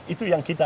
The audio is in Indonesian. itu yang kita